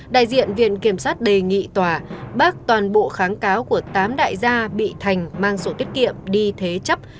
đại diện viện kiểm sát đề nghị tòa bác toàn bộ kháng cáo của tám đại gia bị thành mang sổ tiết kiệm đi thế chấp